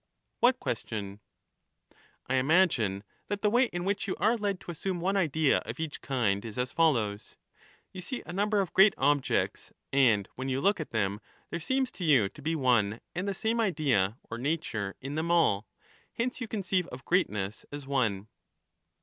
What question ? I imagine that the way in which you are led to assume one ideas are 132 idea of each kind is as follows :— You see a number of great ^^^^, objects, and when you look at them there seems to you to be i«ation. one and the same idea (or nature) in them all ; hence you conceive of greatness as one.